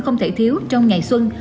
không thể thiếu trong ngày xuân